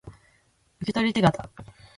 受取手形